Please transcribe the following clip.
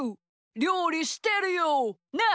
りょうりしてるよ。ねえ？